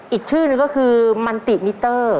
อีกชื่อนึงก็คือมันติมิเตอร์